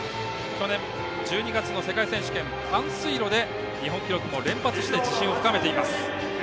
去年１２月の世界選手権短水路で日本記録も連発して自信を深めています。